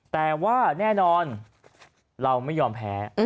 แต่ว่าแน่นอนเราไม่ยอมแพ้